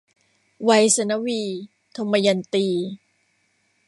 ไวษณวี - ทมยันตี